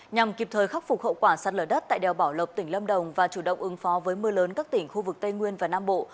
nhằm kịp thời khắc phục hậu quả sát lở đất tại đèo bảo lộc tỉnh lâm đồng và chủ động ứng phó với mưa lớn các tỉnh khu vực tây nguyên và nam bộ